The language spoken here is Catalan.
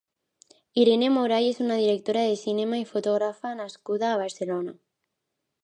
Irene Moray és una directora de cinema i fotògrafa nascuda a Barcelona.